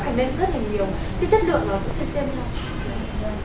chứ chất lượng nó cũng xuyên thêm hơn